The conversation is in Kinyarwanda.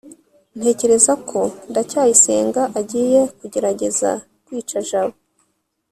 ntekereza ko ndacyayisenga agiye kugerageza kwica jabo